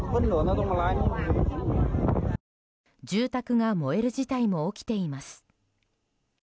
住宅が燃える事態も起きています。